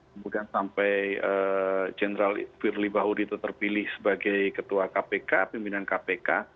kemudian sampai general firly bahuri itu terpilih sebagai ketua kpk pimpinan kpk